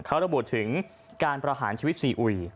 เขาระบุถึงการประหารชีวิตซีอุย